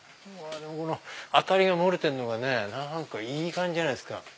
明かりが漏れてるのが何かいい感じじゃないですか。